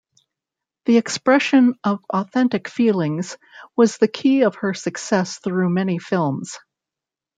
The expression of authentic feelings was the key of her success through many films.